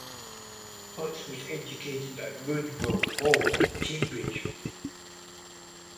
Butts was educated at Gonville Hall Cambridge.